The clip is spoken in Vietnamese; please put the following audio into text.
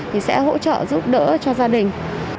thì sẽ hỗ trợ giúp đỡ cho gia đình